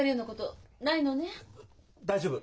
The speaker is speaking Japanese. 大丈夫。